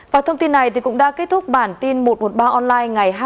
và thông tin này cũng đã kết thúc bản tin một trăm một mươi ba online ngày hai mươi h